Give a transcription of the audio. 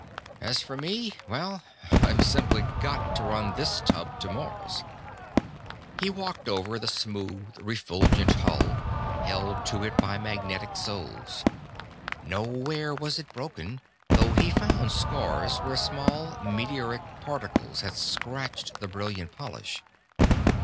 "As for me well, I've simply got to run this tub to Mars!" He walked over the smooth, refulgent hull, held to it by magnetic soles. Nowhere was it broken, though he found scars where small meteoric particles had scratched the brilliant polish.